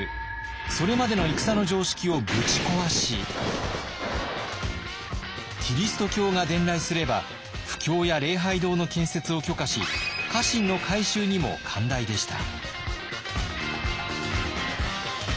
それまでの戦の常識をぶち壊しキリスト教が伝来すれば布教や礼拝堂の建設を許可し家臣の改宗にも寛大でした。